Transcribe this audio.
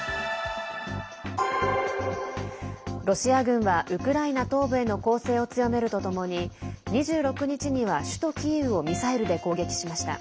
ロシア軍はウクライナ東部への攻勢を強めるとともに２６日には、首都キーウをミサイルで攻撃しました。